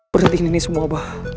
berhentiin ini semua abah